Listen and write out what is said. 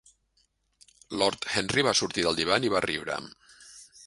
Lord Henry va sortir del divan i va riure.